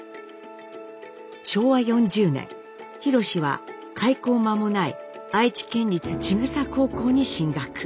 昭和４０年ひろしは開校間もない愛知県立千種高校に進学。